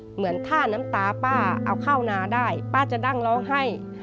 เหมือนท่าน้ำตาป้าเอาข้าวนาได้ป้าจะนั่งร้องไห้